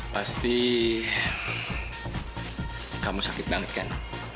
pasti kamu sakit banget kan